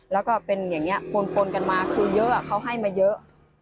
แล้วก็เป็นอย่างนี้ปนกันมาคือเยอะเขาให้มาเยอะ